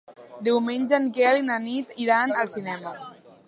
Diumenge en Quel i na Nit iran al cinema.